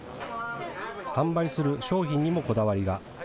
販売する商品にもこだわりが。